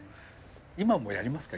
今もやりますか？